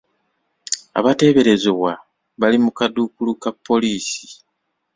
Abateeberezebwa bali mu kaduukulu ka poliisi.